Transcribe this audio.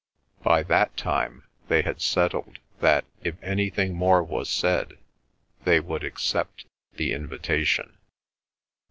By that time they had settled that if anything more was said, they would accept the invitation.